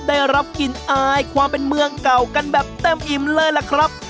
ได้รับกลิ่นอายความเป็นเมืองเก่ากันแบบเต็มอิ่มเลยล่ะครับ